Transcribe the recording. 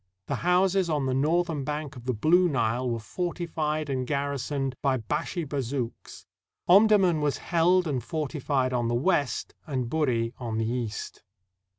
The houses on the northern bank of the Blue Nile were fortified and garrisoned by Bashi Bazouks. Omdurman was held and fortified on the west and Buri on the east.